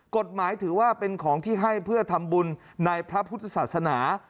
กฎหมายถือว่าเป็นของที่ให้เพื่อทำบุญในพระพุทธศาสนา